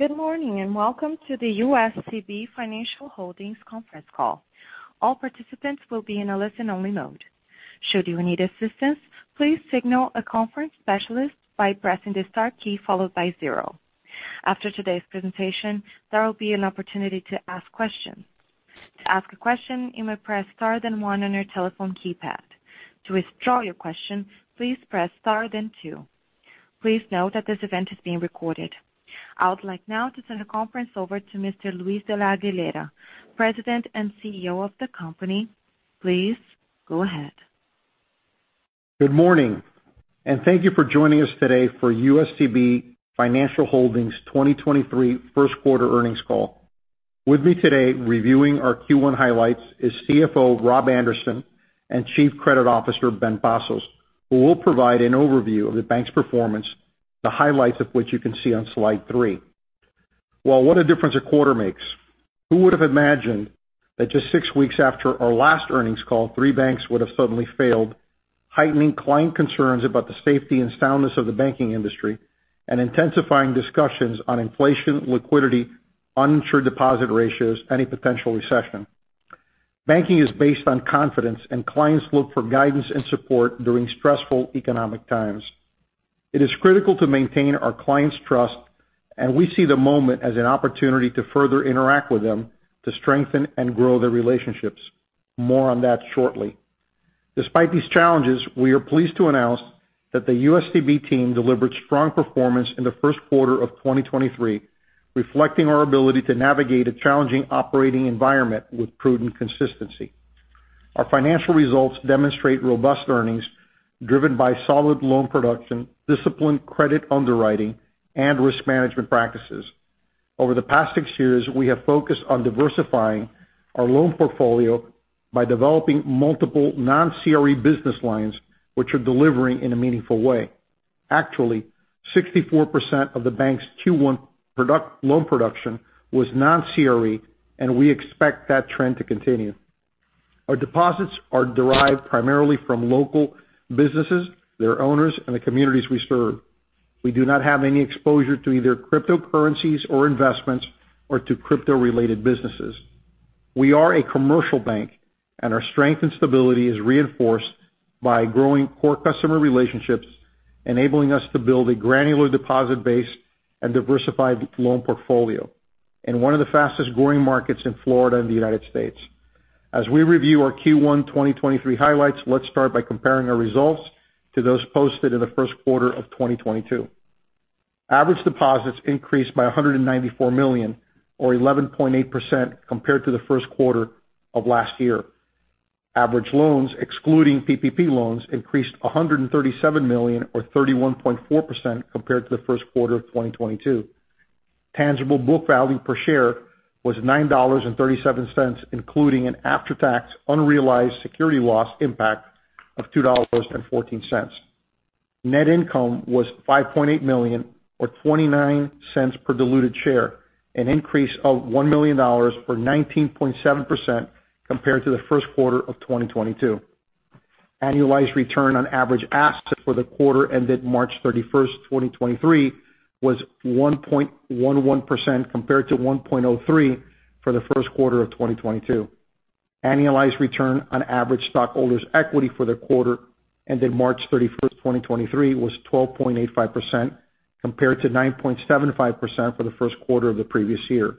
Good morning, welcome to the USCB Financial Holdings Conference Call. All participants will be in a listen-only mode. Should you need assistance, please signal a conference specialist by pressing the star key followed by zero. After today's presentation, there will be an opportunity to ask questions. To ask a question, you may press star then one on your telephone keypad. To withdraw your question, please press star then two. Please note that this event is being recorded. I would like now to turn the conference over to Mr. Luis de la Aguilera, President and CEO of the company. Please go ahead. Good morning, thank you for joining us today for USCB Financial Holdings 2023 First Quarter Earnings Call. With me today reviewing our Q1 highlights is CFO Rob Anderson and Chief Credit Officer Benigno Pazos, who will provide an overview of the bank's performance, the highlights of which you can see on slide three. What a difference a quarter makes. Who would have imagined that just six weeks after our last earnings call, three banks would have suddenly failed, heightening client concerns about the safety and soundness of the banking industry and intensifying discussions on inflation, liquidity, uninsured deposit ratios, and a potential recession. Banking is based on confidence, clients look for guidance and support during stressful economic times. It is critical to maintain our clients' trust, we see the moment as an opportunity to further interact with them to strengthen and grow their relationships. More on that shortly. Despite these challenges, we are pleased to announce that the USCB team delivered strong performance in the first quarter of 2023, reflecting our ability to navigate a challenging operating environment with prudent consistency. Our financial results demonstrate robust earnings driven by solid loan production, disciplined credit underwriting, and risk management practices. Over the past six years, we have focused on diversifying our loan portfolio by developing multiple non-CRE business lines, which are delivering in a meaningful way. Actually, 64% of the bank's Q1 loan production was non-CRE, and we expect that trend to continue. Our deposits are derived primarily from local businesses, their owners, and the communities we serve. We do not have any exposure to either cryptocurrencies or investments or to crypto-related businesses. We are a commercial bank. Our strength and stability is reinforced by growing core customer relationships, enabling us to build a granular deposit base and diversified loan portfolio in one of the fastest-growing markets in Florida and the United States. As we review our Q1 2023 highlights, let's start by comparing our results to those posted in the first quarter of 2022. Average deposits increased by $194 million or 11.8% compared to the first quarter of last year. Average loans, excluding PPP loans, increased $137 million or 31.4% compared to the first quarter of 2022. Tangible book value per share was $9.37, including an after-tax unrealized security loss impact of $2.14. Net income was $5.8 million or $0.29 per diluted share, an increase of $1 million or 19.7% compared to the first quarter of 2022. Annualized return on average assets for the quarter ended March 31st, 2023, was 1.11% compared to 1.03% for the first quarter of 2022. Annualized return on average stockholders' equity for the quarter ended March 31st, 2023, was 12.85% compared to 9.75% for the first quarter of the previous year.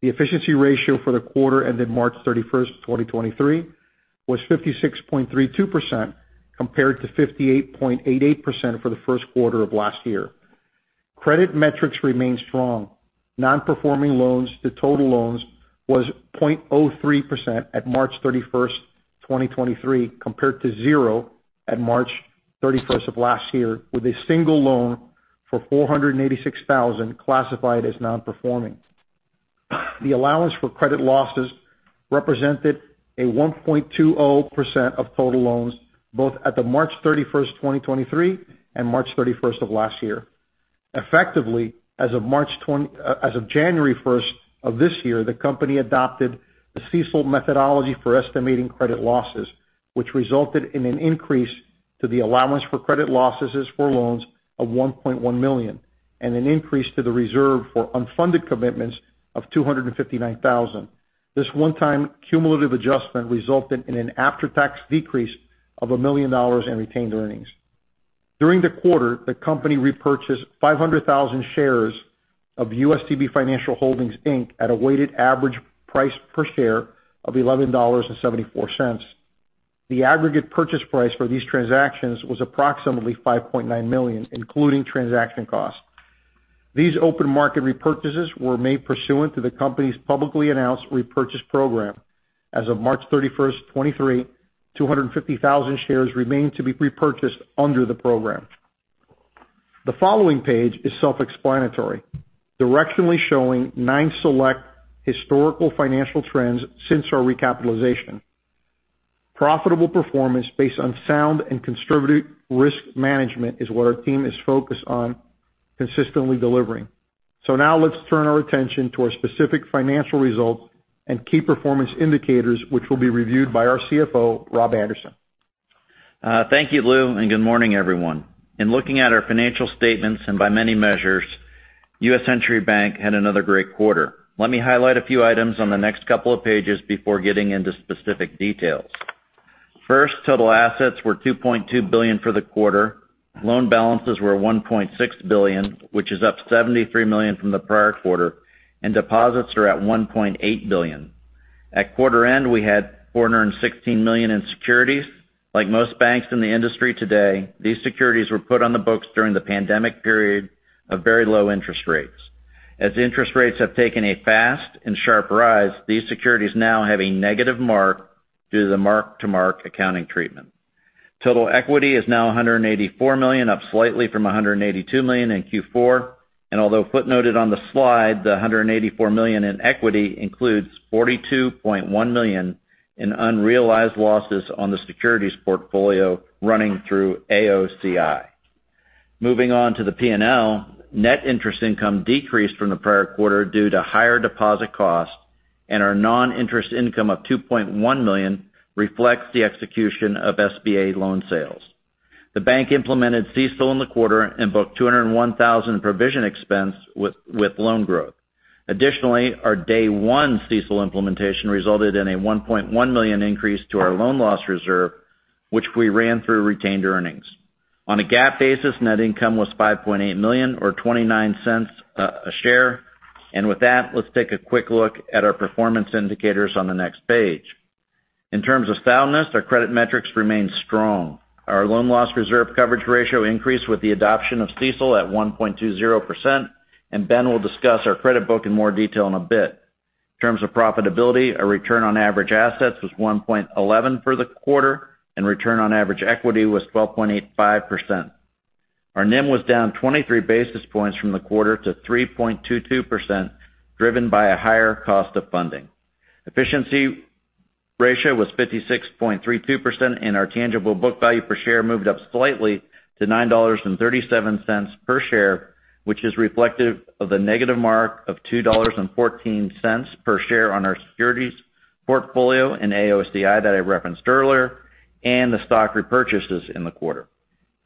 The efficiency ratio for the quarter ended March 31st, 2023, was 56.32% compared to 58.88% for the 1st quarter of last year. Credit metrics remained strong. Non-performing loans to total loans was 0.03% at March 31st, 2023, compared to zero at March 31st of last year, with a single loan for $486,000 classified as non-performing. The allowance for credit losses represented a 1.20% of total loans, both at the March 31st, 2023, and March 31st of last year. Effectively, as of January 1st of this year, the company adopted the CECL methodology for estimating credit losses, which resulted in an increase to the allowance for credit losses for loans of $1.1 million and an increase to the reserve for unfunded commitments of $259,000. This one-time cumulative adjustment resulted in an after-tax decrease of $1 million in retained earnings. During the quarter, the company repurchased 500,000 shares of USCB Financial Holdings, Inc. at a weighted average price per share of $11.74. The aggregate purchase price for these transactions was approximately $5.9 million, including transaction costs. These open market repurchases were made pursuant to the company's publicly announced repurchase program. As of March 31st, 2023, 250,000 shares remain to be repurchased under the program. The following page is self-explanatory, directionally showing nine select historical financial trends since our recapitalization. Profitable performance based on sound and conservative risk management is what our team is focused on consistently delivering. Now let's turn our attention to our specific financial results and key performance indicators, which will be reviewed by our CFO, Rob Anderson. Thank you, Luis, and good morning everyone. In looking at our financial statements and by many measures, U.S. Century Bank had another great quarter. Let me highlight a few items on the next couple of pages before getting into specific details. First, total assets were $2.2 billion for the quarter. Loan balances were $1.6 billion, which is up $73 million from the prior quarter, and deposits are at $1.8 billion. At quarter end, we had $416 million in securities. Like most banks in the industry today, these securities were put on the books during the pandemic period of very low interest rates. As interest rates have taken a fast and sharp rise, these securities now have a negative mark due to the mark-to-market accounting treatment. Total equity is now $184 million, up slightly from $182 million in Q4. Although footnoted on the slide, the $184 million in equity includes $42.1 million in unrealized losses on the securities portfolio running through AOCI. Moving on to the P&L, net interest income decreased from the prior quarter due to higher deposit costs, and our non-interest income of $2.1 million reflects the execution of SBA loan sales. The bank implemented CECL in the quarter and booked $201,000 provision expense with loan growth. Additionally, our day one CECL implementation resulted in a $1.1 million increase to our loan loss reserve, which we ran through retained earnings. On a GAAP basis, net income was $5.8 million or $0.29 a share. With that, let's take a quick look at our performance indicators on the next page. In terms of soundness, our credit metrics remain strong. Our loan loss reserve coverage ratio increased with the adoption of CECL at 1.20%, and Ben will discuss our credit book in more detail in a bit. In terms of profitability, our return on average assets was 1.11% for the quarter, and return on average equity was 12.85%. Our NIM was down 23 basis points from the quarter to 3.22%, driven by a higher cost of funding. Efficiency ratio was 56.32%. Our tangible book value per share moved up slightly to $9.37 per share, which is reflective of the negative mark of $2.14 per share on our securities portfolio and AOCI that I referenced earlier and the stock repurchases in the quarter.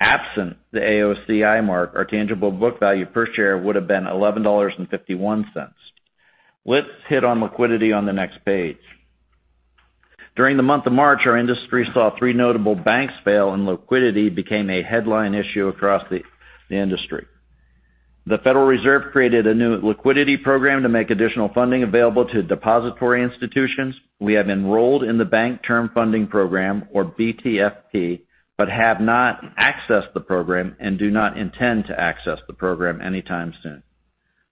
Absent the AOCI mark, our tangible book value per share would have been $11.51. Let's hit on liquidity on the next page. During the month of March, our industry saw three notable banks fail and liquidity became a headline issue across the industry. The Federal Reserve created a new liquidity program to make additional funding available to depository institutions. We have enrolled in the Bank Term Funding program, or BTFP. Have not accessed the program and do not intend to access the program anytime soon.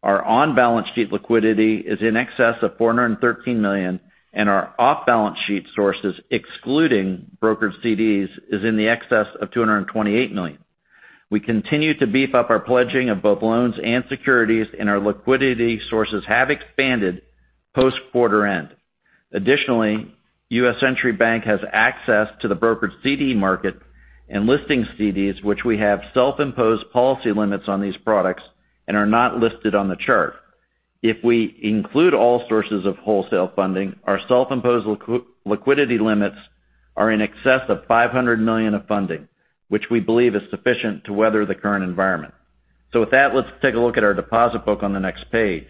Our on-balance sheet liquidity is in excess of $413 million, and our off-balance sheet sources, excluding brokered CDs, is in the excess of $228 million. We continue to beef up our pledging of both loans and securities, and our liquidity sources have expanded post-quarter end. Additionally, U.S. Century Bank has access to the brokered CD market and listing CDs, which we have self-imposed policy limits on these products and are not listed on the chart. If we include all sources of wholesale funding, our self-imposed liquidity limits are in excess of $500 million of funding, which we believe is sufficient to weather the current environment. With that, let's take a look at our deposit book on the next page.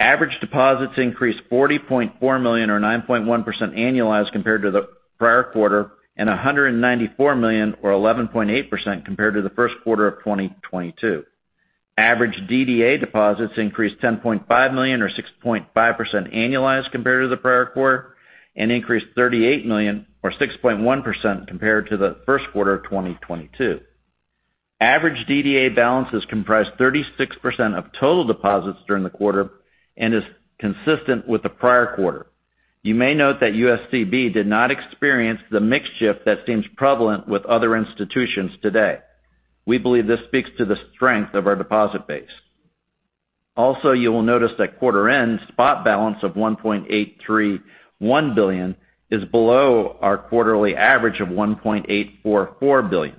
Average deposits increased $40.4 million or 9.1% annualized compared to the prior quarter and $194 million or 11.8% compared to the first quarter of 2022. Average DDA deposits increased $10.5 million or 6.5% annualized compared to the prior quarter, and increased $38 million or 6.1% compared to the first quarter of 2022. Average DDA balances comprised 36% of total deposits during the quarter and is consistent with the prior quarter. You may note that USCB did not experience the mix shift that seems prevalent with other institutions today. We believe this speaks to the strength of our deposit base. Also, you will notice that quarter end spot balance of $1.831 billion is below our quarterly average of $1.844 billion.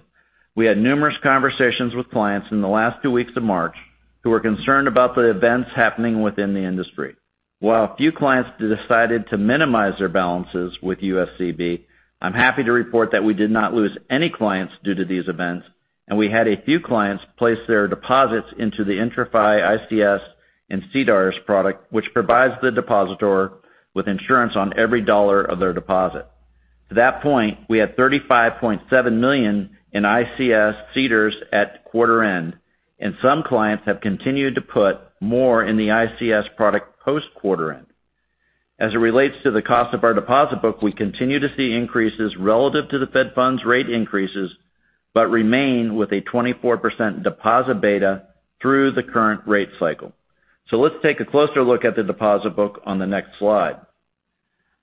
We had numerous conversations with clients in the last two weeks of March who were concerned about the events happening within the industry. While a few clients decided to minimize their balances with USCB, I'm happy to report that we did not lose any clients due to these events. We had a few clients place their deposits into the IntraFi ICS and CDARS product, which provides the depositor with insurance on every dollar of their deposit. To that point, we had $35.7 million in ICS CDARS at quarter end. Some clients have continued to put more in the ICS product post-quarter end. As it relates to the cost of our deposit book, we continue to see increases relative to the Fed funds rate increases, but remain with a 24% deposit beta through the current rate cycle. Let's take a closer look at the deposit book on the next slide.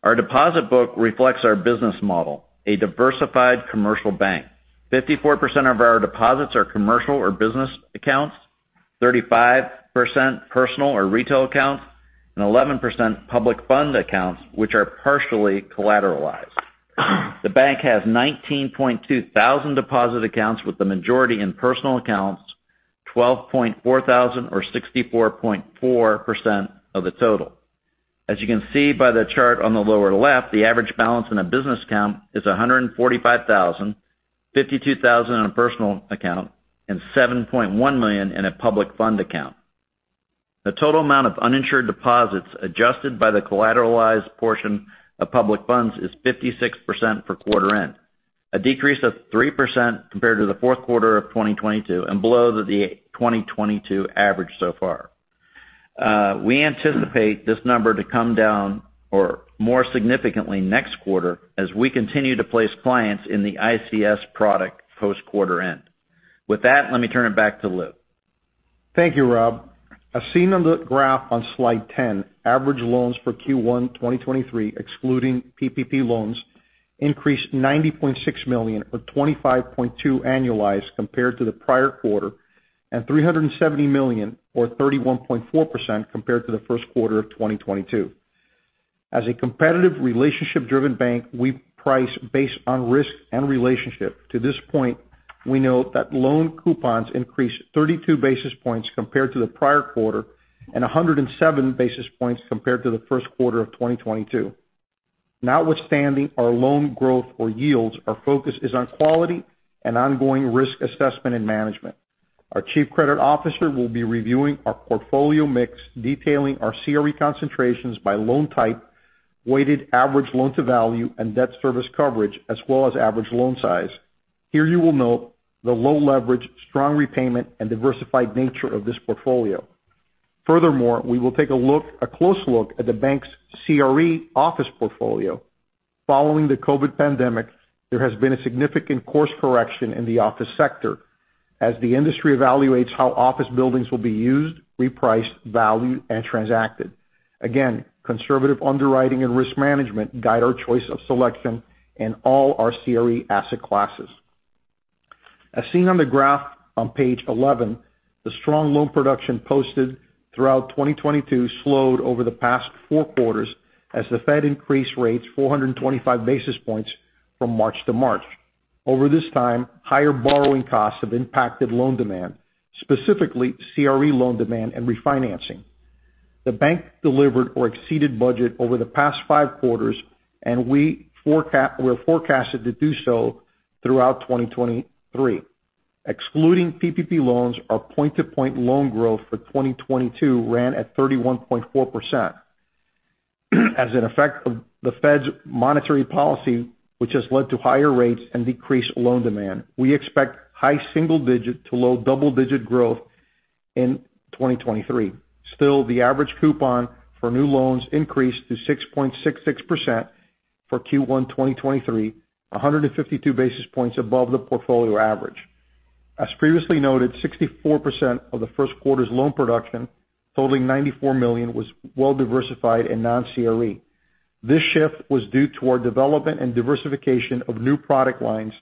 Our deposit book reflects our business model, a diversified commercial bank. 54% of our deposits are commercial or business accounts, 35% personal or retail accounts, and 11% public fund accounts, which are partially collateralized. The bank has 19.2 thousand deposit accounts with the majority in personal accounts, 12.4 thousand or 64.4% of the total. As you can see by the chart on the lower left, the average balance in a business account is $145,000, $52,000 in a personal account, and $7.1 million in a public fund account. The total amount of uninsured deposits adjusted by the collateralized portion of public funds is 56% per quarter end, a decrease of 3% compared to the fourth quarter of 2022 and below the 2022 average so far. We anticipate this number to come down or more significantly next quarter as we continue to place clients in the ICS product post-quarter end. With that, let me turn it back to Luis. Thank you, Rob. As seen on the graph on slide 10, average loans for Q1 2023, excluding PPP loans, increased $90.6 million, or 25.2% annualized compared to the prior quarter, and $370 million or 31.4% compared to the first quarter of 2022. As a competitive relationship-driven bank, we price based on risk and relationship. To this point, we know that loan coupons increased 32 basis points compared to the prior quarter and 107 basis points compared to the first quarter of 2022. Notwithstanding our loan growth or yields, our focus is on quality and ongoing risk assessment and management. Our Chief Credit Officer will be reviewing our portfolio mix, detailing our CRE concentrations by loan type, weighted average loan to value and debt service coverage, as well as average loan size. Here you will note the low leverage, strong repayment, and diversified nature of this portfolio. Furthermore, we will take a close look at the bank's CRE office portfolio. Following the COVID pandemic, there has been a significant course correction in the office sector as the industry evaluates how office buildings will be used, repriced, valued, and transacted. Again, conservative underwriting and risk management guide our choice of selection in all our CRE asset classes. As seen on the graph on page 11, the strong loan production posted throughout 2022 slowed over the past four quarters as the Fed increased rates 425 basis points from March to March. Over this time, higher borrowing costs have impacted loan demand, specifically CRE loan demand and refinancing. The bank delivered or exceeded budget over the past five quarters. We're forecasted to do so throughout 2023. Excluding PPP loans, our point-to-point loan growth for 2022 ran at 31.4%. As an effect of the Fed's monetary policy, which has led to higher rates and decreased loan demand, we expect high single-digit to low double-digit growth in 2023. Still, the average coupon for new loans increased to 6.66% for Q1 2023, 152 basis points above the portfolio average. As previously noted, 64% of the first quarter's loan production, totaling $94 million, was well diversified in non-CRE. This shift was due to our development and diversification of new product lines,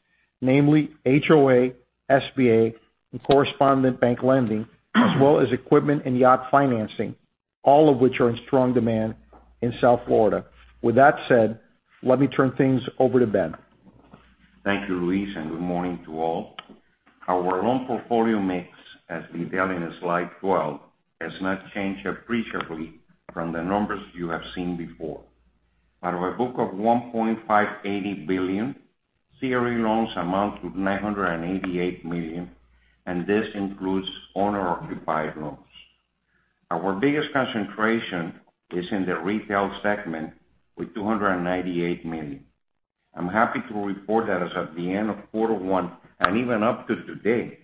namely HOA, SBA, and correspondent bank lending as well as equipment and yacht financing, al. of which are in strong demand in South Florida. With that said, let me turn things over to Ben. Thank you, Luis. Good morning to all. Our loan portfolio mix, as detailed in slide 12, has not changed appreciably from the numbers you have seen before. Out of a book of $1.580 billion, CRE loans amount to $988 million. This includes owner-occupied loans. Our biggest concentration is in the retail segment with $298 million. I'm happy to report that as of the end of quarter one and even up to today,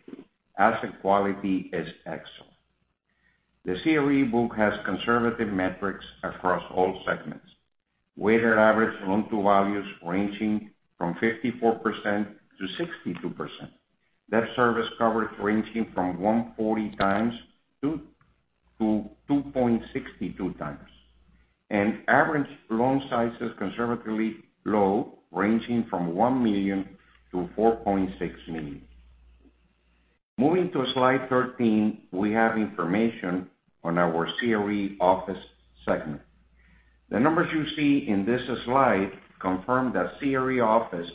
asset quality is excellent. The CRE book has conservative metrics across all segments. Weighted average loan to values ranging from 54%-62%. Debt service coverage ranging from 1.40x-2.62x. Average loan size is conservatively low, ranging from $1 million-$4.6 million. Moving to slide 13, we have information on our CRE office segment. The numbers you see in this slide confirm that CRE office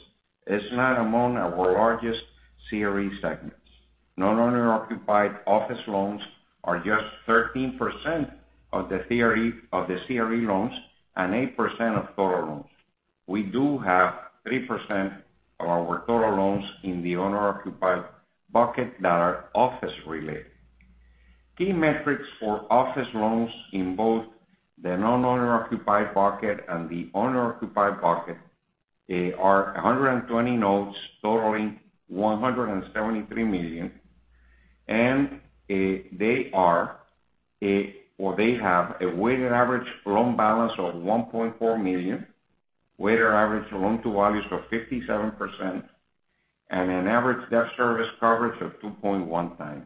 is not among our largest CRE segments. Non-owner occupied office loans are just 13% of the CRE loans and 8% of total loans. We do have 3% of our total loans in the owner-occupied bucket that are office related. Key metrics for office loans in both the non-owner occupied bucket and the owner-occupied bucket are 120 nodes totaling $173 million, and they have a weighted average loan balance of $1.4 million, weighted average loan to values of 57%, and an average debt service coverage of 2.1x.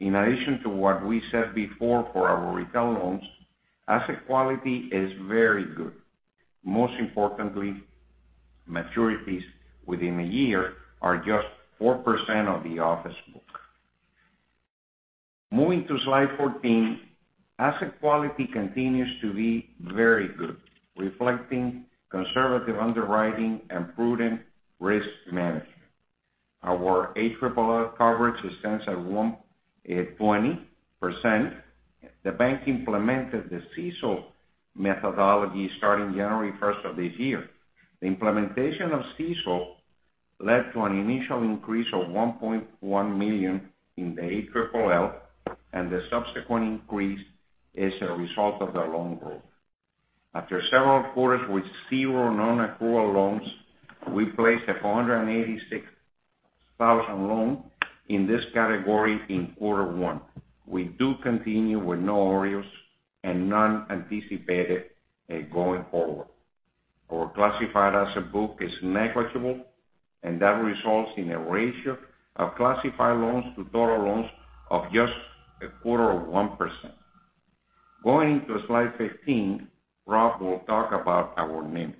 In addition to what we said before for our retail loans, asset quality is very good. Most importantly, maturities within a year are just 4% of the office book. Moving to slide 14, asset quality continues to be very good, reflecting conservative underwriting and prudent risk management. Our ARRR coverage stands at one at 20%. The bank implemented the CECL methodology starting January first of this year. The implementation of CECL led to an initial increase of $1.1 million in the ALL. The subsequent increase is a result of the loan growth. After several quarters with zero non-accrual loans, we placed a $486,000 loan in this category in quarter one. We do continue with no OREOs and none anticipated going forward. Our classified asset book is negligible, and that results in a ratio of classified loans to total loans of just a quarter of 1%. Going to slide 15, Rob will talk about our NIM.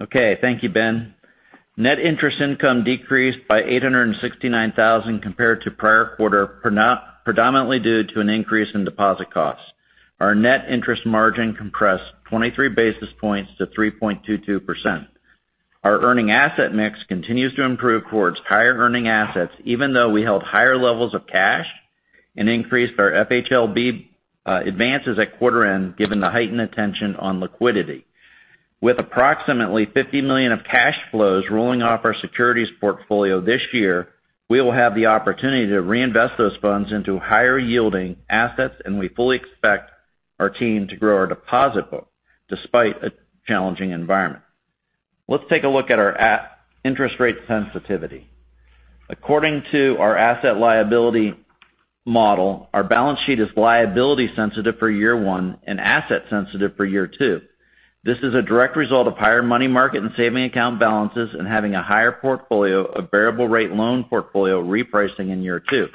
Okay. Thank you, Ben. Net interest income decreased by $869,000 compared to prior quarter predominantly due to an increase in deposit costs. Our net interest margin compressed 23 basis points to 3.22%. Our earning asset mix continues to improve towards higher earning assets, even though we held higher levels of cash and increased our FHLB advances at quarter end, given the heightened attention on liquidity. With approximately $50 million of cash flows rolling off our securities portfolio this year, we will have the opportunity to reinvest those funds into higher-yielding assets, we fully expect our team to grow our deposit book despite a challenging environment. Let's take a look at our interest rate sensitivity. According to our asset liability model, our balance sheet is liability-sensitive for year one and asset-sensitive for year two. This is a direct result of higher money market and savings account balances and having a higher portfolio of variable rate loan portfolio repricing in year two.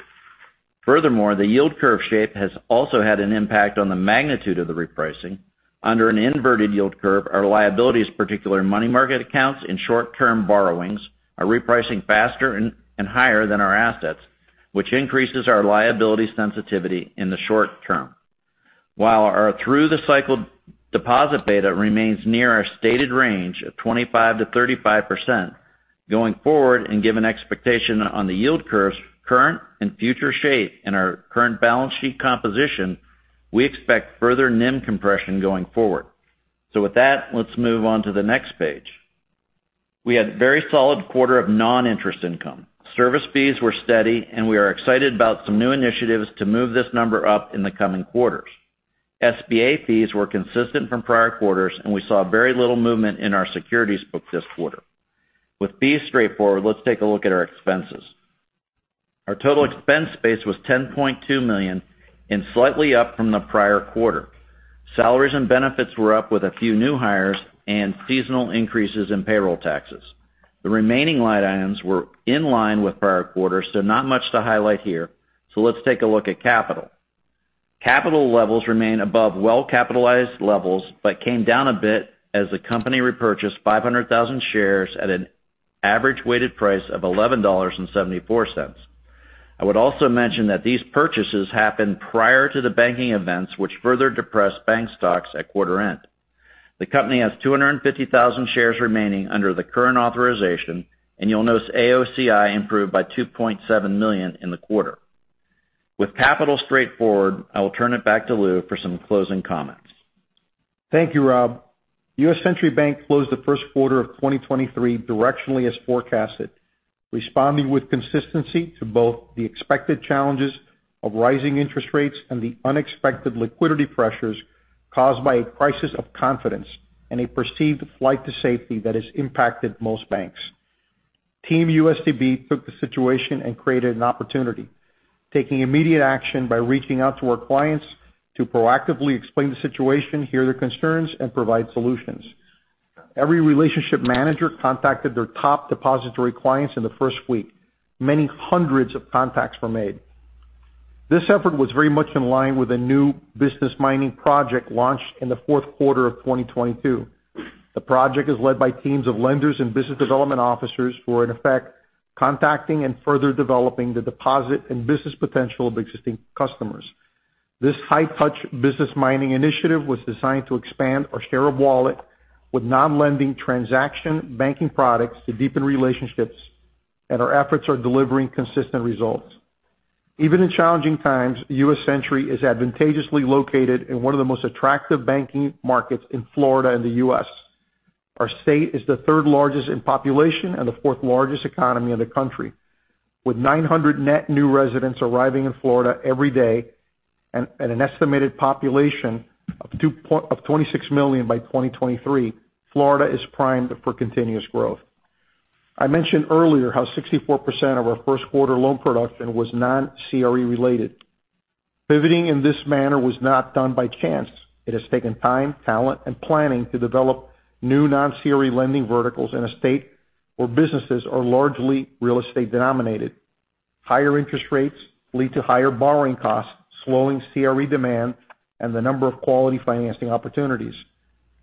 The yield curve shape has also had an impact on the magnitude of the repricing. Under an inverted yield curve, our liabilities, particular money market accounts and short-term borrowings, are repricing faster and higher than our assets, which increases our liability sensitivity in the short term. While our through-the-cycle deposit beta remains near our stated range of 25% to 35%, going forward and given expectation on the yield curve's current and future shape and our current balance sheet composition, we expect further NIM compression going forward. With that, let's move on to the next page. We had a very solid quarter of non-interest income. Service fees were steady, and we are excited about some new initiatives to move this number up in the coming quarters. SBA fees were consistent from prior quarters, and we saw very little movement in our securities book this quarter. With fees straightforward, let's take a look at our expenses. Our total expense base was $10.2 million and slightly up from the prior quarter. Salaries and benefits were up with a few new hires and seasonal increases in payroll taxes. The remaining line items were in line with prior quarters, so not much to highlight here. Let's take a look at capital. Capital levels remain above well-capitalized levels but came down a bit as the company repurchased 500,000 shares at an average weighted price of $11.74. I would also mention that these purchases happened prior to the banking events which further depressed bank stocks at quarter end. The company has 250,000 shares remaining under the current authorization, You'll notice AOCI improved by $2.7 million in the quarter. With capital straightforward, I will turn it back to Luis for some closing comments. Thank you, Rob. U.S. Century Bank closed the first quarter of 2023 directionally as forecasted, responding with consistency to both the expected challenges of rising interest rates and the unexpected liquidity pressures caused by a crisis of confidence and a perceived flight to safety that has impacted most banks. Team USCB took the situation and created an opportunity, taking immediate action by reaching out to our clients to proactively explain the situation, hear their concerns, and provide solutions. Every relationship manager contacted their top depository clients in the first week. Many hundreds of contacts were made. This effort was very much in line with a new business mining project launched in the fourth quarter of 2022. The project is led by teams of lenders and business development officers who are, in effect, contacting and further developing the deposit and business potential of existing customers. This high-touch business mining initiative was designed to expand our share of wallet with non-lending transaction banking products to deepen relationships. Our efforts are delivering consistent results. Even in challenging times, U.S. Century Bank is advantageously located in one of the most attractive banking markets in Florida and the U.S. Our state is the third largest in population and the fourth largest economy in the country. With 900 net new residents arriving in Florida every day and an estimated population of 26 million by 2023, Florida is primed for continuous growth. I mentioned earlier how 64% of our first quarter loan production was non-CRE related. Pivoting in this manner was not done by chance. It has taken time, talent, and planning to develop new non-CRE lending verticals in a state where businesses are largely real estate denominated. Higher interest rates lead to higher borrowing costs, slowing CRE demand and the number of quality financing opportunities.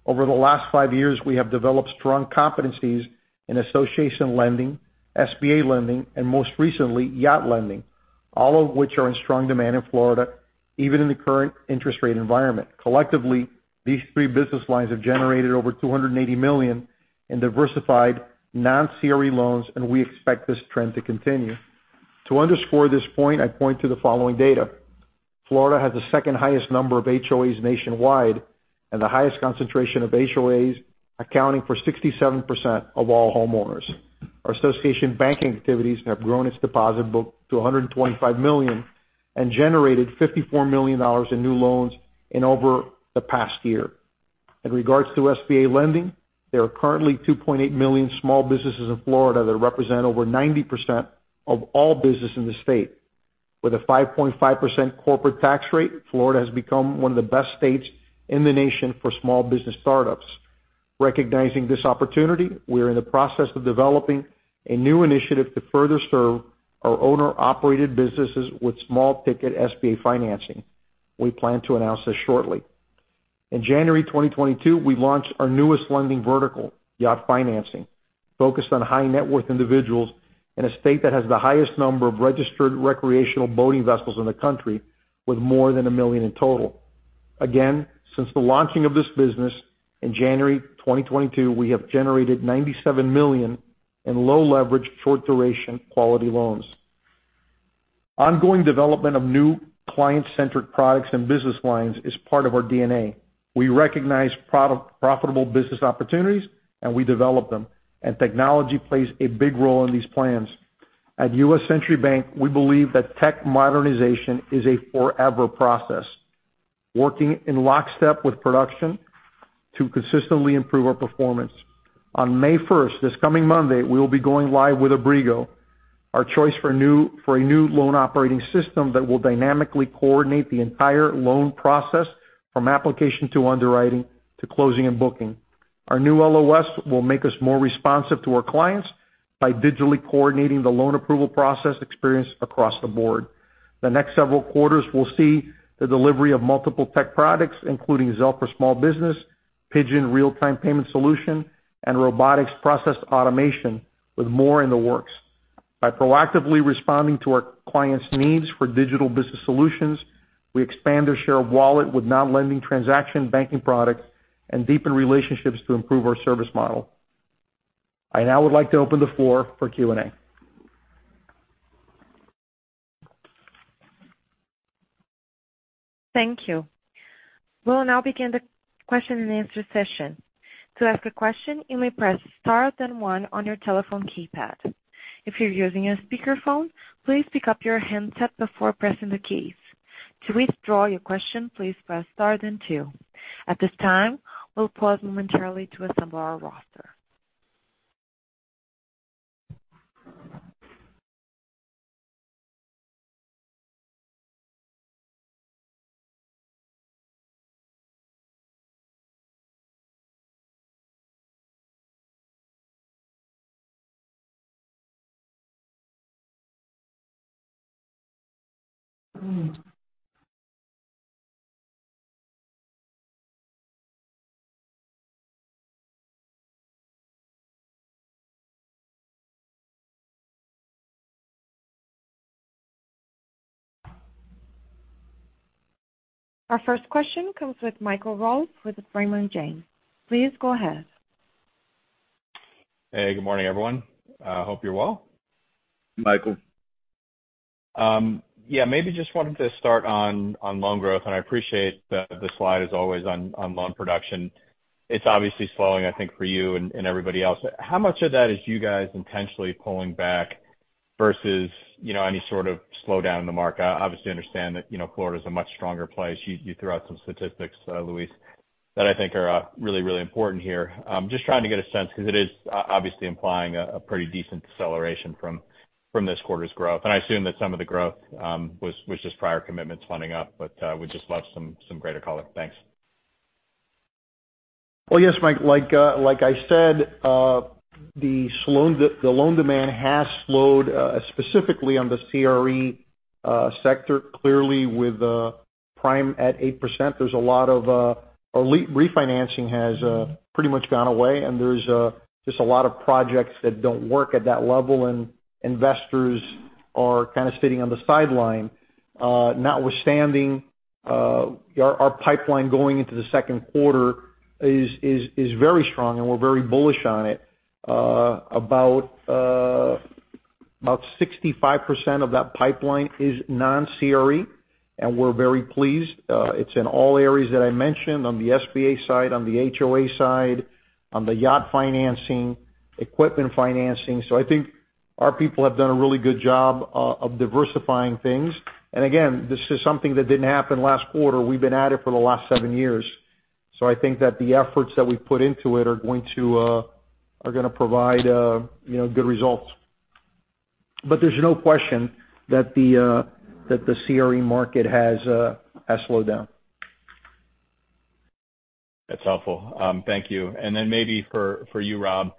Over the last five years, we have developed strong competencies in association lending, SBA lending, and most recently, yacht lending, all of which are in strong demand in Florida, even in the current interest rate environment. Collectively, these three business lines have generated over $280 million in diversified non-CRE loans, and we expect this trend to continue. To underscore this point, I point to the following data. Florida has the second highest number of HOAs nationwide and the highest concentration of HOAs, accounting for 67% of all homeowners. Our association banking activities have grown its deposit book to $125 million and generated $54 million in new loans in over the past year. In regards to SBA lending, there are currently 2.8 million small businesses in Florida that represent over 90% of all business in the state. With a 5.5% corporate tax rate, Florida has become one of the best states in the nation for small business startups. Recognizing this opportunity, we are in the process of developing a new initiative to further serve our owner-operated businesses with small-ticket SBA financing. We plan to announce this shortly. In January 2022, we launched our newest lending vertical, yacht financing, focused on high-net-worth individuals in a state that has the highest number of registered recreational boating vessels in the country with more than 1 million in total. Again, since the launching of this business in January 2022, we have generated $97 million in low leverage, short duration, quality loans. Ongoing development of new client-centric products and business lines is part of our DNA. We recognize profitable business opportunities, and we develop them, and technology plays a big role in these plans. At U.S. Century Bank, we believe that tech modernization is a forever process, working in lockstep with production to consistently improve our performance. On May first, this coming Monday, we will be going live with Abrigo, our choice for a new loan operating system that will dynamically coordinate the entire loan process from application to underwriting to closing and booking. Our new LOS will make us more responsive to our clients by digitally coordinating the loan approval process experience across the board. The next several quarters will see the delivery of multiple tech products, including Zelle for small business, Pigeon real-time payment solution, and robotics process automation with more in the works. By proactively responding to our clients' needs for digital business solutions, we expand their share of wallet with non-lending transaction banking products and deepen relationships to improve our service model. I now would like to open the floor for Q&A. Thank you. We'll now begin the question and answer session. To ask a question, you may press star then one on your telephone keypad. If you're using a speakerphone, please pick up your handset before pressing the keys. To withdraw your question, please press star then two. At this time, we'll pause momentarily to assemble our roster. Our first question comes with Michael Rose with the Raymond James. Please go ahead. Hey, good morning, everyone. Hope you're well. Michael. Yeah, maybe just wanted to start on loan growth, and I appreciate the slide as always on loan production. It's obviously slowing, I think, for you and everybody else. How much of that is you guys intentionally pulling back versus, you know, any sort of slowdown in the market? I obviously understand that, you know, Florida is a much stronger place. You, you threw out some statistics, Luis, that I think are really, really important here. Just trying to get a sense because it is obviously implying a pretty decent deceleration from this quarter's growth. I assume that some of the growth was just prior commitments funding up, but would just love some greater color. Thanks. Well, yes, Mike. Like, like I said, the loan demand has slowed specifically on the CRE sector. Clearly, with prime at 8%, there's a lot of refinancing has pretty much gone away, and there's just a lot of projects that don't work at that level, and investors are kind of sitting on the sideline. Notwithstanding, our pipeline going into the second quarter is very strong, and we're very bullish on it. About 65% of that pipeline is non-CRE, and we're very pleased. It's in all areas that I mentioned on the SBA side, on the HOA side, on the yacht financing, equipment financing. I think our people have done a really good job of diversifying things. Again, this is something that didn't happen last quarter. We've been at it for the last seven years. I think that the efforts that we've put into it are going to are gonna provide, you know, good results. There's no question that the CRE market has slowed down. That's helpful. Thank you. Then maybe for you, Rob,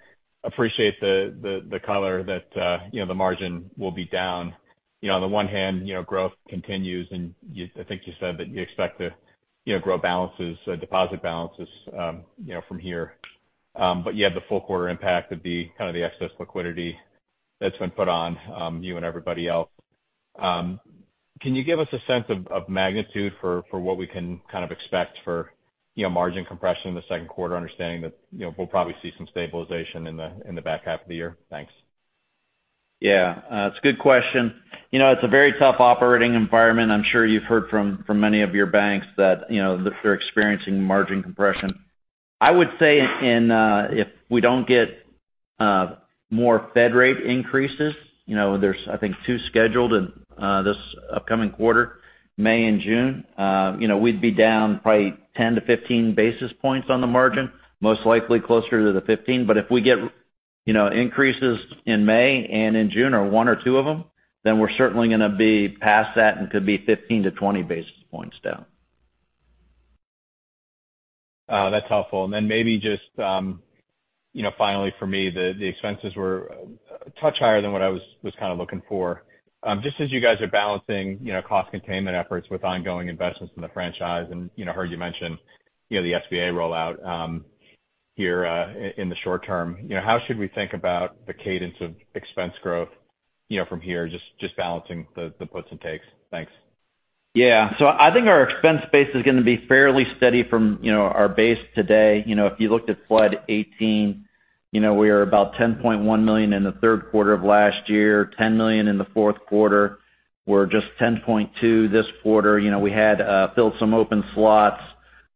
appreciate the color that, you know, the margin will be down. You know, on the one hand, you know, growth continues, and I think you said that you expect to, you know, grow balances, deposit balances, you know, from here. You had the full quarter impact of the kind of the excess liquidity that's been put on, you and everybody else. Can you give us a sense of magnitude for what we can kind of expect for, you know, margin compression in the second quarter, understanding that, you know, we'll probably see some stabilization in the back half of the year? Thanks. Yeah. It's a good question. You know, it's a very tough operating environment. I'm sure you've heard from many of your banks that, you know, that they're experiencing margin compression. I would say, if we don't get more Fed rate increases, you know, there's I think two scheduled in this upcoming quarter, May and June. You know, we'd be down probably 10-15 basis points on the margin, most likely closer to the 15. If we get, you know, increases in May and in June or one or two of them, then we're certainly gonna be past that and could be 15-20 basis points down. That's helpful. Maybe just, you know, finally for me, the expenses were a touch higher than what I was kind of looking for. Just as you guys are balancing, you know, cost containment efforts with ongoing investments in the franchise and, you know, heard you mention, you know, the SBA rollout here in the short term. You know, how should we think about the cadence of expense growth, you know, from here, just balancing the puts and takes? Thanks. I think our expense base is gonna be fairly steady from, you know, our base today. If you looked at flood eighteen, you know, we were about $10.1 million in the third quarter of last year, $10 million in the fourth quarter. We're just $10.2 this quarter. We had filled some open slots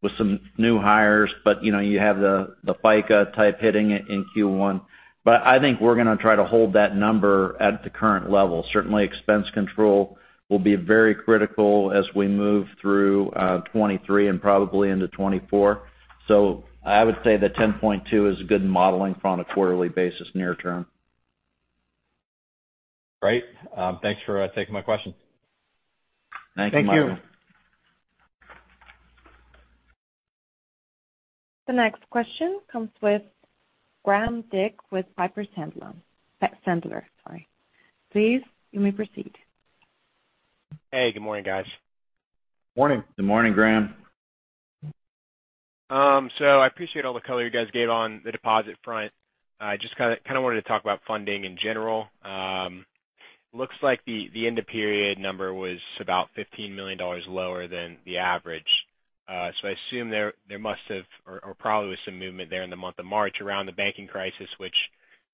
with some new hires, but, you know, you have the FICA type hitting it in Q1. I think we're gonna try to hold that number at the current level. Certainly, expense control will be very critical as we move through 2023 and probably into 2024. I would say that $10.2 is good modeling from a quarterly basis near term. Great. Thanks for taking my question. Thank you, Michael. Thank you. The next question comes with Graham Dick with Piper Sandler. Sandler, sorry. Please, you may proceed. Hey, good morning, guys. Morning. Good morning, Graham. I appreciate all the color you guys gave on the deposit front. I just kind of wanted to talk about funding in general. Looks like the end of period number was about $15 million lower than the average. I assume there must have or probably was some movement there in the month of March around the banking crisis, which,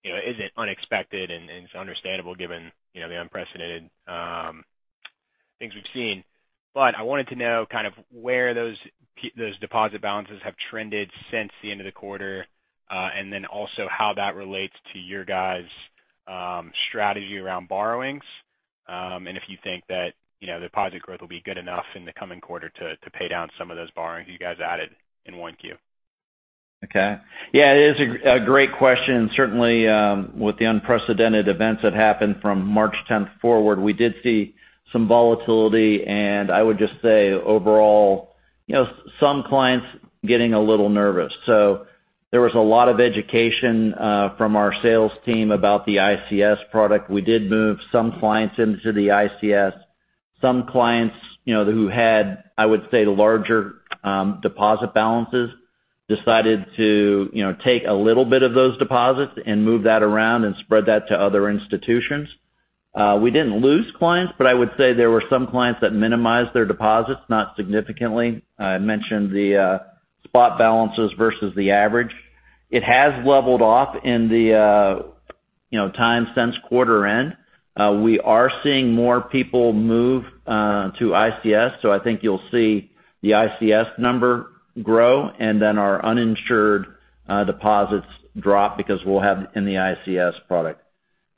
you know, isn't unexpected and it's understandable given, you know, the unprecedented things we've seen. I wanted to know kind of where those deposit balances have trended since the end of the quarter and then also how that relates to your guys' strategy around borrowings. If you think that, you know, the deposit growth will be good enough in the coming quarter to pay down some of those borrowings you guys added in 1Q. Okay. It is a great question. Certainly, with the unprecedented events that happened from March 10th forward, we did see some volatility, and I would just say overall, you know, some clients getting a little nervous. There was a lot of education from our sales team about the ICS product. We did move some clients into the ICS. Some clients, you know, who had, I would say, larger deposit balances, decided to, you know, take a little bit of those deposits and move that around and spread that to other institutions. We didn't lose clients, but I would say there were some clients that minimized their deposits, not significantly. I mentioned the spot balances versus the average. It has leveled off in the, you know, time since quarter end. We are seeing more people move to ICS, I think you'll see the ICS number grow and then our uninsured deposits drop because we'll have in the ICS product.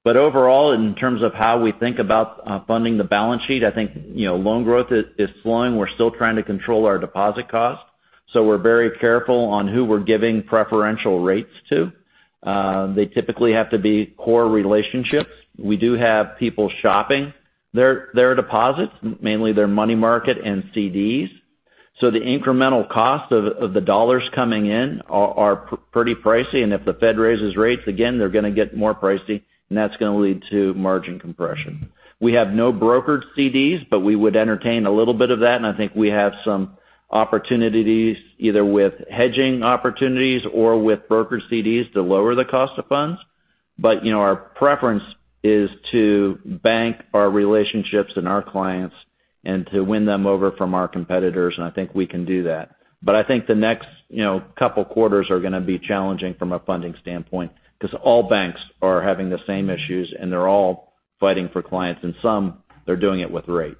Overall, in terms of how we think about funding the balance sheet, I think, you know, loan growth is slowing. We're still trying to control our deposit cost. We're very careful on who we're giving preferential rates to. They typically have to be core relationships. We do have people shopping their deposits, mainly their money market and CDs. The incremental cost of the dollars coming in are pretty pricey, and if the Fed raises rates again, they're gonna get more pricey, and that's gonna lead to margin compression. We have no brokered CDs, but we would entertain a little bit of that, and I think we have some opportunities, either with hedging opportunities or with brokered CDs to lower the cost of funds. You know, our preference is to bank our relationships and our clients and to win them over from our competitors, and I think we can do that. I think the next, you know, couple quarters are gonna be challenging from a funding standpoint because all banks are having the same issues, and they're all fighting for clients, and some, they're doing it with rates.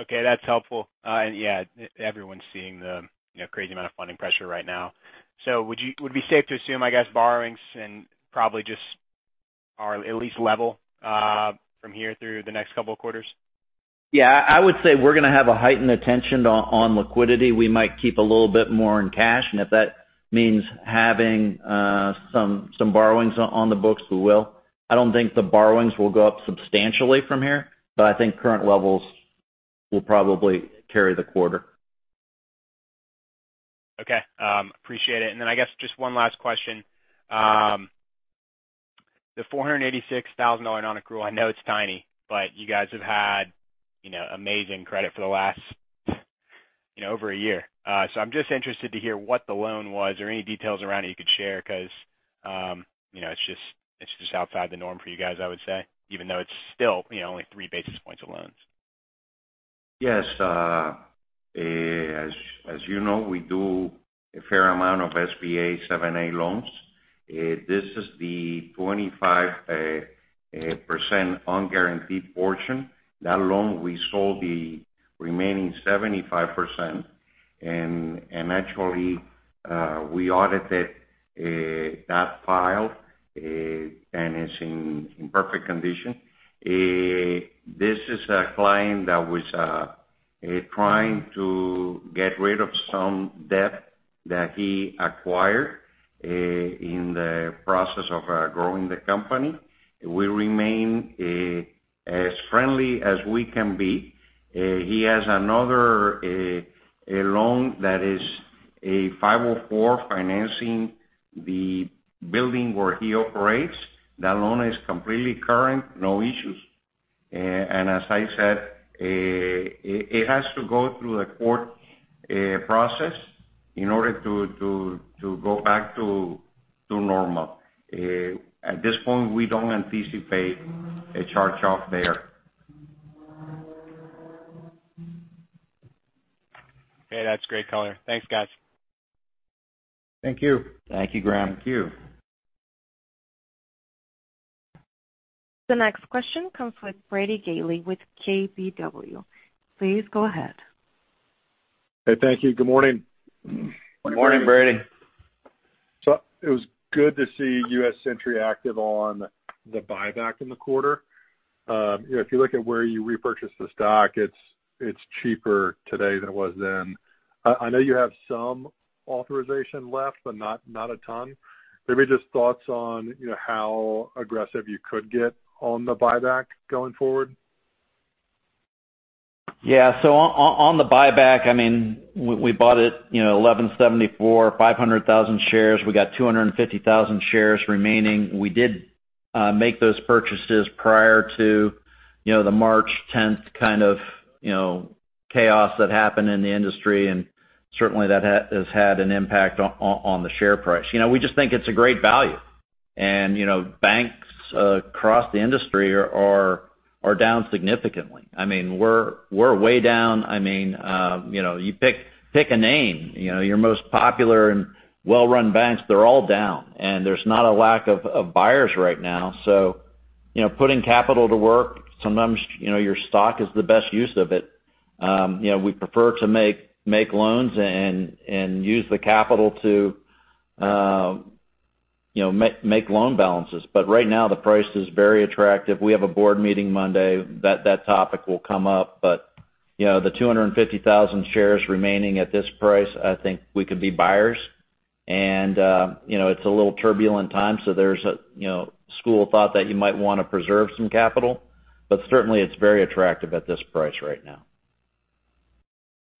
Okay, that's helpful. Yeah, everyone's seeing the, you know, crazy amount of funding pressure right now. Would it be safe to assume, I guess, borrowings and probably just are at least level from here through the next couple of quarters? Yeah. I would say we're gonna have a heightened attention on liquidity. We might keep a little bit more in cash. If that means having some borrowings on the books, we will. I don't think the borrowings will go up substantially from here, but I think current levels will probably carry the quarter. Okay. appreciate it. I guess just one last question. The $486,000 non-accrual, I know it's tiny, but you guys have had, you know, amazing credit for the last, you know, over a year. I'm just interested to hear what the loan was or any details around it you could share because, you know, it's just, it's just outside the norm for you guys, I would say, even though it's still, you know, only three basis points of loans? Yes. As you know, we do a fair amount of SBA 7(a) loans. This is the 25% unguaranteed portion. That loan, we sold the remaining 75%. Actually, we audited that file, and it's in perfect condition. This is a client that was trying to get rid of some debt that he acquired in the process of growing the company. We remain as friendly as we can be. He has another loan that is a 504 financing the building where he operates. That loan is completely current, no issues. As I said, it has to go through a court process in order to go back to normal. At this point, we don't anticipate a charge-off there. Okay. That's great color. Thanks, guys. Thank you. Thank you, Graham. Thank you. The next question comes with Brady Gailey with KBW. Please go ahead. Hey, thank you. Good morning. Good morning. Good morning, Brady. It was good to see U.S. Century active on the buyback in the quarter. You know, if you look at where you repurchased the stock, it's cheaper today than it was then. I know you have some authorization left, but not a ton. Maybe just thoughts on, you know, how aggressive you could get on the buyback going forward. Yeah. So on the buyback, I mean, we bought it, you know, $11.74, 500,000 shares. We got 250,000 shares remaining. We did make those purchases prior to, you know, the March 10th kind of, you know, chaos that happened in the industry, and certainly that has had an impact on the share price. You know, we just think it's a great value. Banks across the industry are down significantly. I mean, we're way down. I mean, you know, you pick a name. You know, your most popular and well-run banks, they're all down. There's not a lack of buyers right now. You know, putting capital to work, sometimes, you know, your stock is the best use of it. You know, we prefer to make loans and use the capital to, you know, make loan balances. Right now, the price is very attractive. We have a board meeting Monday that that topic will come up. You know, the 250,000 shares remaining at this price, I think we could be buyers. You know, it's a little turbulent time, so there's a, you know, school of thought that you might wanna preserve some capital. Certainly it's very attractive at this price right now.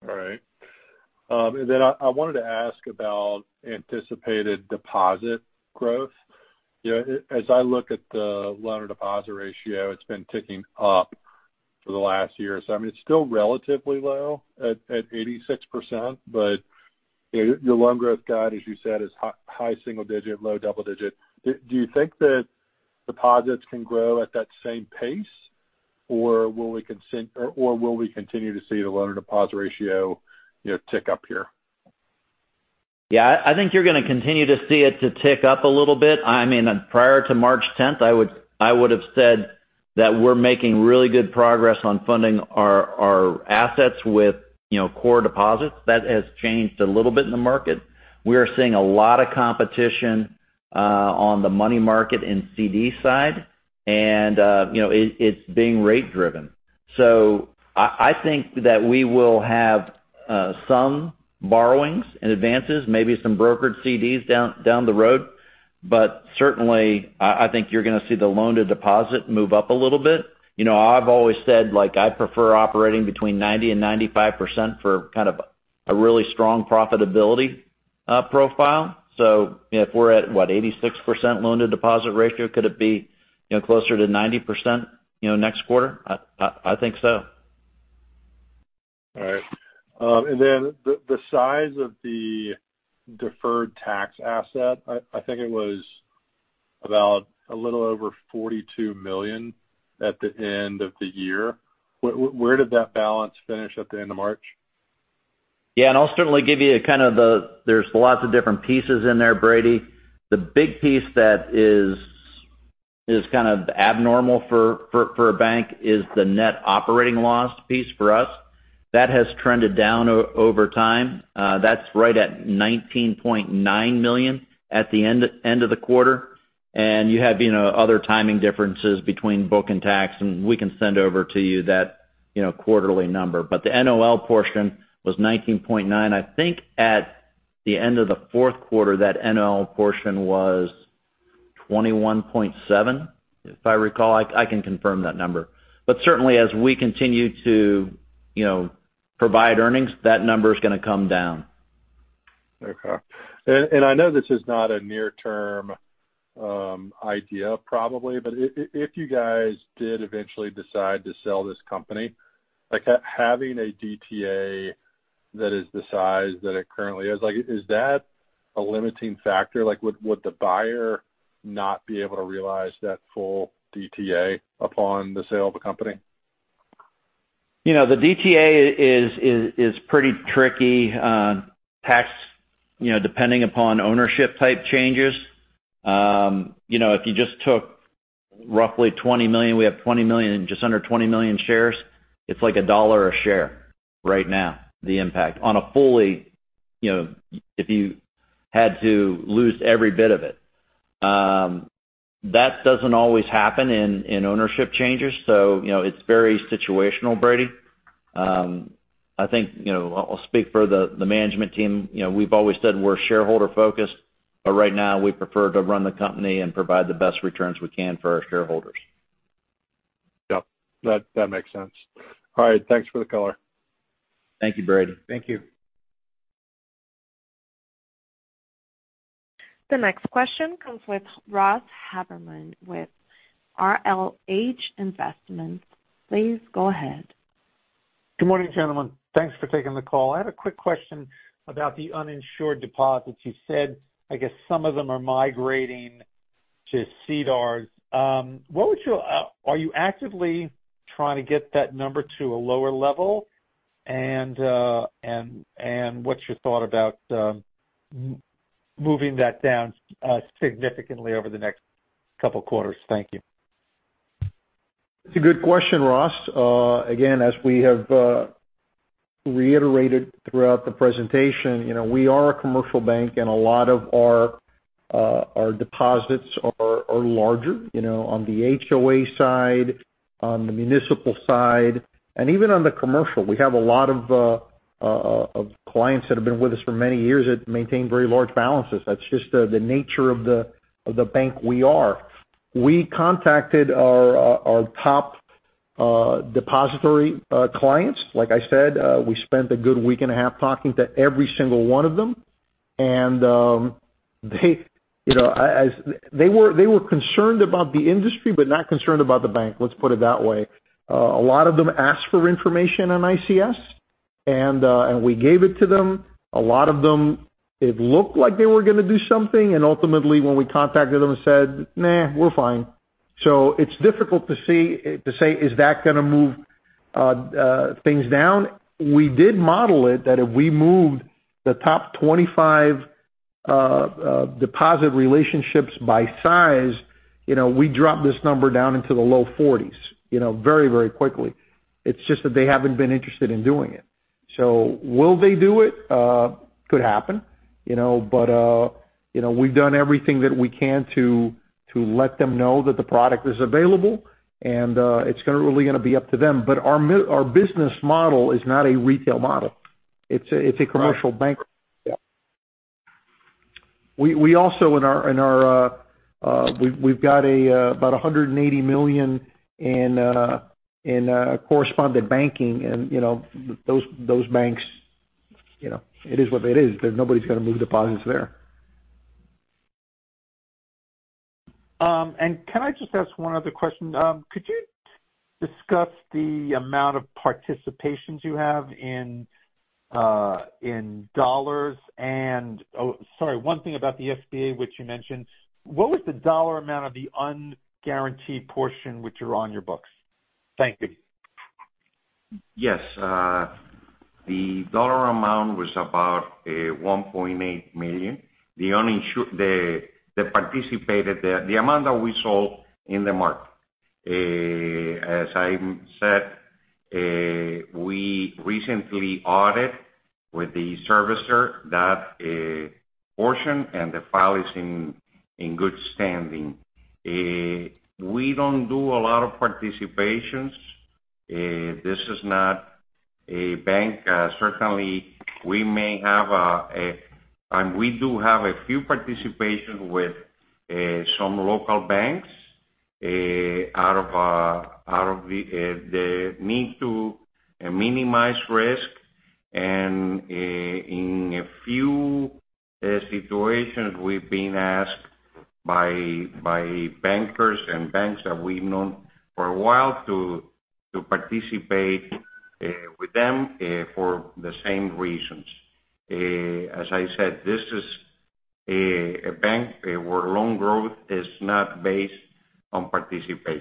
All right. Then I wanted to ask about anticipated deposit growth. You know, as I look at the loan-to-deposit ratio, it's been ticking up for the last year. I mean, it's still relatively low at 86%. You know, your loan growth guide, as you said, is high single digit, low double digit. Do you think that deposits can grow at that same pace, or will we continue to see the loan-to-deposit ratio, you know, tick up here? Yeah. I think you're gonna continue to see it to tick up a little bit. I mean, prior to March 10th, I would have said that we're making really good progress on funding our assets with, you know, core deposits. That has changed a little bit in the market. We are seeing a lot of competition on the money market and CD side, and, you know, it's being rate-driven. I think that we will have some borrowings and advances, maybe some brokered CDs down the road. Certainly, I think you're gonna see the loan-to-deposit move up a little bit. You know, I've always said, like, I prefer operating between 90%-95% for kind of a really strong profitability profile. If we're at, what, 86% loan-to-deposit ratio, could it be, you know, closer to 90%, you know, next quarter? I think so. All right. The size of the deferred tax asset, I think it was about a little over $42 million at the end of the year. Where did that balance finish at the end of March? Yeah. I'll certainly give you kind of the... There's lots of different pieces in there, Brady. The big piece that is kind of abnormal for a bank is the net operating loss piece for us. That has trended down over time. That's right at $19.9 million at the end of the quarter. You have, you know, other timing differences between book and tax, and we can send over to you that, you know, quarterly number. The NOL portion was $19.9. I think at the end of the fourth quarter, that NOL portion was $21.7, if I recall. I can confirm that number. Certainly, as we continue to, you know, provide earnings, that number is gonna come down. Okay. I know this is not a near-term idea probably, but if you guys did eventually decide to sell this company, like, having a DTA that is the size that it currently is, like, is that a limiting factor? Like, would the buyer not be able to realize that full DTA upon the sale of a company? You know, the DTA is pretty tricky on tax, you know, depending upon ownership type changes. You know, if you just took roughly $20 million, we have $20 million, just under $20 million shares. It's like $1 a share right now, the impact. On a fully, you know, if you had to lose every bit of it. That doesn't always happen in ownership changes. You know, it's very situational, Brady. I think, you know, I'll speak for the management team. You know, we've always said we're shareholder-focused, but right now we prefer to run the company and provide the best returns we can for our shareholders. Yep. That makes sense. All right. Thanks for the color. Thank you, Brady. Thank you. The next question comes from Ross Haberman with RLH Investments. Please go ahead. Good morning, gentlemen. Thanks for taking the call. I have a quick question about the uninsured deposits. You said, I guess, some of them are migrating to CDARS. Are you actively trying to get that number to a lower level? What's your thought about moving that down significantly over the next couple quarters? Thank you. It's a good question, Ross. Again, as we have reiterated throughout the presentation, you know, we are a commercial bank and a lot of our deposits are larger, you know. On the HOA side, on the municipal side, and even on the commercial. We have a lot of clients that have been with us for many years that maintain very large balances. That's just the nature of the bank we are. We contacted our top depository clients. Like I said, we spent a good week and a half talking to every single one of them. They you know, They were concerned about the industry, but not concerned about the bank, let's put it that way. A lot of them asked for information on ICS, and we gave it to them. A lot of them, it looked like they were gonna do something, and ultimately when we contacted them and said, "Nah, we're fine." It's difficult to say, is that gonna move things down? We did model it that if we moved the top 25 deposit relationships by size, you know, we drop this number down into the low 40s, you know, very, very quickly. It's just that they haven't been interested in doing it. Will they do it? Could happen, you know. You know, we've done everything that we can to let them know that the product is available and it's gonna really be up to them. Our business model is not a retail model. It's a commercial bank. Yeah. We also in our we've got about $180 million in correspondent banking and, you know, those banks, you know, it is what it is. There's nobody's gonna move deposits there. Can I just ask one other question? Could you discuss the amount of participations you have in dollars and, sorry, one thing about the SBA, which you mentioned, what was the dollar amount of the unguaranteed portion which are on your books? Thank you. Yes. The dollar amount was about $1.8 million. The participated, the amount that we sold in the market. As I said, we recently audit with the servicer that portion and the file is in good standing. We don't do a lot of participations. This is not a bank. Certainly, we may have. We do have a few participation with some local banks out of the need to minimize risk. In a few situations, we've been asked by bankers and banks that we've known for a while to participate with them for the same reasons. As I said, this is a bank where loan growth is not based on participations.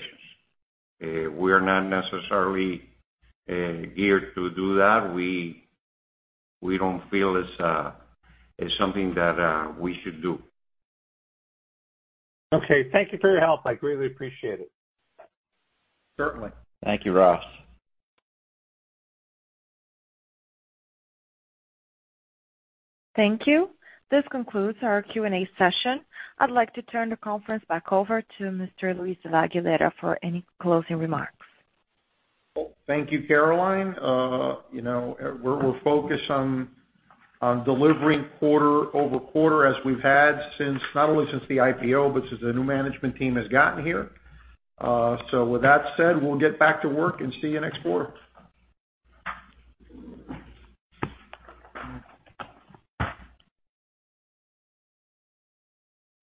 We are not necessarily geared to do that. We don't feel it's something that we should do. Okay. Thank you for your help. I greatly appreciate it. Certainly. Thank you, Ross. Thank you. This concludes our Q&A session. I'd like to turn the conference back over to Mr. Luis de la Aguilera for any closing remarks. Oh, thank you, Caroline. you know, we're focused on delivering quarter-over-quarter as we've had since, not only since the IPO, but since the new management team has gotten here. With that said, we'll get back to work and see you next quarter.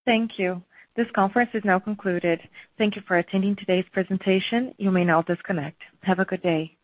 Thank you. This conference is now concluded. Thank you for attending today's presentation. You may now disconnect. Have a good day.